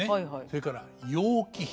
それから楊貴妃。